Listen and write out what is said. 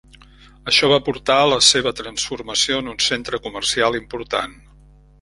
Això va portar a la seva transformació en un centre comercial important.